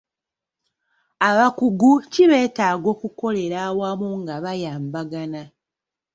Abakugu ki beetaaga okukolera awamu nga bayambagana